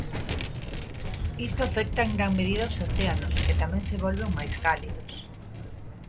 Isto afecta en gran medida os océanos, que tamén se volven máis cálidos.